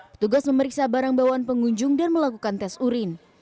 petugas memeriksa barang bawaan pengunjung dan melakukan tes urin